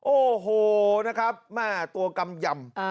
โอ้โหนะครับแม่ตัวกำยำ